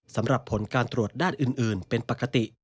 สำหรับผลการตรวจด้านอื่นเป็นปกติ